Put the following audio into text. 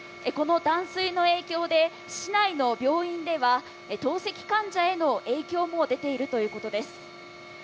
この断水の影響で市内の病院では透析患者への影響も出ているということです。